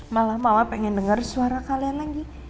malah mama pengen dengar suara kalian lagi